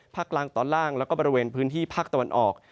กลางตอนล่างแล้วก็บริเวณพื้นที่ภาคตะวันออก